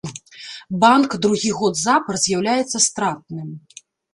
Банк другі год запар з'яўляецца стратным.